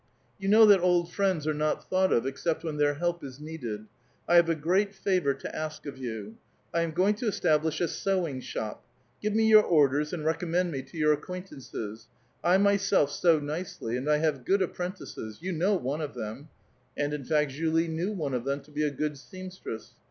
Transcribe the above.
'• You know that old friends are not thought of, except when, their lielp is needed. I have a great favor to ask of you. I am ^oiug to establish a sewing shop. Give me your orders and reeouunend me to your acquaiutauces. I myself sew nicely and 1 have good apprentices. You know one of tliem." And, in fact, Julie knew one of them to be a good seamstress.